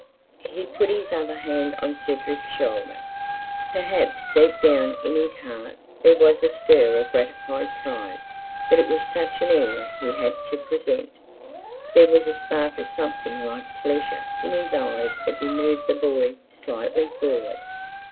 He put his other hand on Cedric's shoulder, perhaps deep down in his heart there was a stir of gratified pride that it was such an heir he had to present; there was a spark of something like pleasure in his eyes as he moved the boy slightly forward.